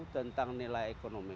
tentang nilai ekonomi